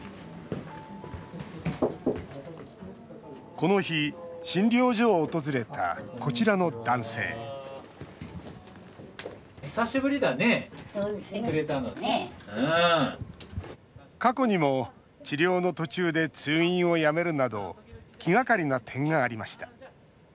この日、診療所を訪れたこちらの男性過去にも治療の途中で通院をやめるなど気がかりな点がありました。